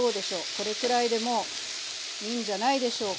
これくらいでもういいんじゃないでしょうか。